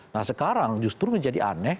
nah sekarang justru menjadi aneh